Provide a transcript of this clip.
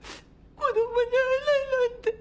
子供に会えないなんて。